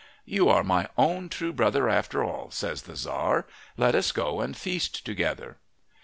"You are my own true brother after all," says the Tzar. "Let us go and feast together."